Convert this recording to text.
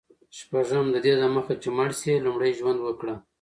شپږم: ددې دمخه چي مړ سې، لومړی ژوند وکړه.